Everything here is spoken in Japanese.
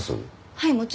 はいもちろん。